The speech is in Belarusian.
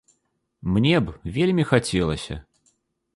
Мне б вельмі хацелася.